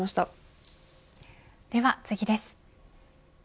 では次です。